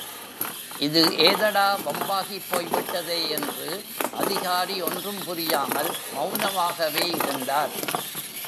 இது ஏதடா வம்பாகப் போய்விட்டதே என்று அதிகாரி ஒன்றும் புரியாமல் மெளனமாகவே இருந்தார்.